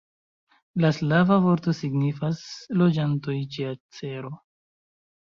La slava vorto signifas: loĝantoj ĉe acero.